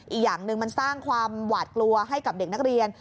อีกอย่างหนึ่งมันสร้างความหวาดกลัวให้กับเด็กนักเรียน